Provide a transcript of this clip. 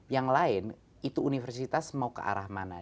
yang lain itu universitas mau ke arah mana